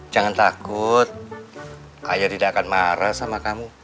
jangan takut ayah tidak akan marah sama kamu